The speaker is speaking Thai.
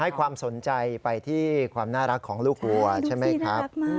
ให้ความสนใจไปที่ความน่ารักของลูกวัวใช่ไหมครับ